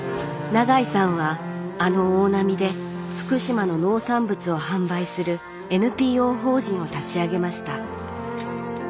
永井さんはあの大波で福島の農産物を販売するＮＰＯ法人を立ち上げました